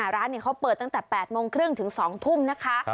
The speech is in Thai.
ร้านเขาเปิดตั้งแต่๘โมงครึ่งถึง๒ทุ่มนะคะ